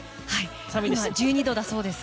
今１２度だそうです。